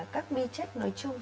các vi chất nội chung